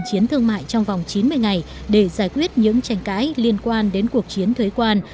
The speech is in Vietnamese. chiến thương mại trong vòng chín mươi ngày để giải quyết những tranh cãi liên quan đến cuộc chiến thuế quan